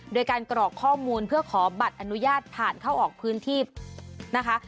โดยการกรอกข้อมูลเพื่อขอบัตรอนุญาตผ่านเข้าออกพื้นที่นะคะ